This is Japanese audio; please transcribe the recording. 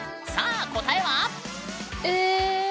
さあ答えは⁉え